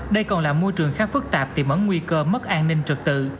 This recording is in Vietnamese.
đây còn là môi trường khá phức tạp tìm ấn nguy cơ mất an ninh trực tự